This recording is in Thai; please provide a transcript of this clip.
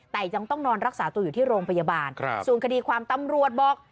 แต่ยังต้องนอนรักษาตัวอยู่ที่โรงพยาบาลส่วนคดีความตำรวจบอก